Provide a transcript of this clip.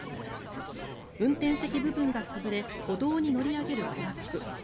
運転席部分が潰れ歩道に乗り上げるトラック。